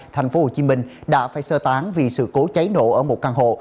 thành phố hồ chí minh đã phải sơ tán vì sự cố cháy nổ ở một căn hộ